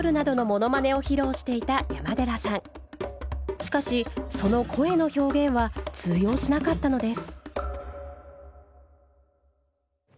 しかしその声の表現は通用しなかったのです。